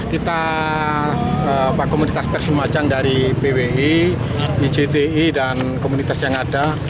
kita komunitas pes lumajang dari pwi ijti dan komunitas yang ada